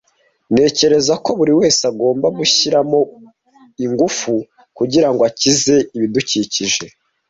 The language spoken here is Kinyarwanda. Ntekereza ko buri wese agomba gushyiramo ingufu kugirango akize ibidukikije.